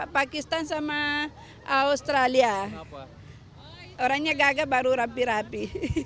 pakistan sama australia orangnya gagal baru rapi rapi